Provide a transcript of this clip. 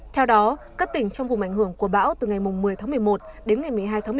theo đó các tỉnh trong vùng ảnh hưởng của bão từ ngày một mươi tháng một mươi một đến ngày một mươi hai tháng một mươi một